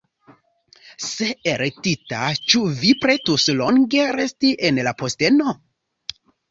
Se elektita, ĉu vi pretus longe resti en la posteno?